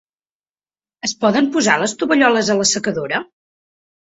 Es poden posar les tovalloles a l'assecadora?